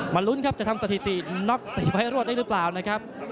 ลุ้นครับจะทำสถิติน็อกสีให้รวดได้หรือเปล่านะครับ